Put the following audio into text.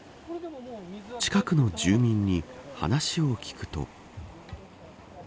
近くの住民に話を聞くと。